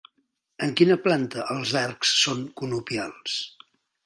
En quina planta els arcs són conopials?